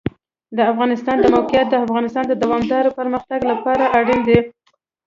د افغانستان د موقعیت د افغانستان د دوامداره پرمختګ لپاره اړین دي.